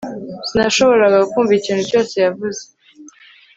Sinashoboraga kumva ikintu cyose yavuze